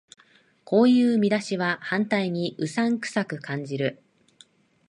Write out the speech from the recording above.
こういう見出しは反対にうさんくさく感じる